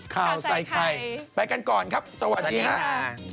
ข่าวใจไข่ไปกันก่อนครับสวัสดีครับสวัสดีค่ะสวัสดีค่ะ